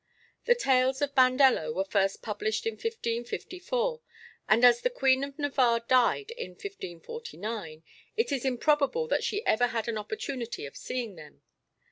The tales of Bandello were first published in 1554, and as the Queen of Navarre died in 1549, it is improbable that she ever had an opportunity of seeing them.